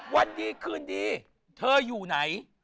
วันดีคืนดีเธออยู่ไหน